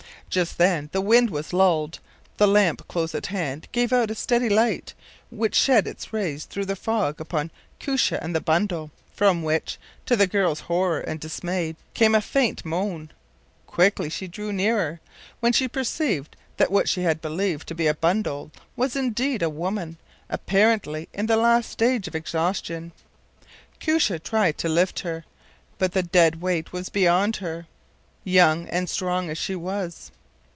Just then the wind was lulled, the lamp close at hand gave out a steady light, which shed its rays through the fog upon Koosje and the bundle, from which, to the girl’s horror and dismay, came a faint moan. Quickly she drew nearer, when she perceived that what she had believed to be a bundle was indeed a woman, apparently in the last stage of exhaustion. Koosje tried to lift her; but the dead weight was beyond her, young and strong as she was.